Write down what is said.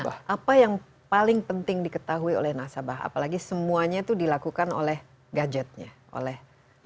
nah apa yang paling penting diketahui oleh nasabah apalagi semuanya itu dilakukan oleh gadgetnya oleh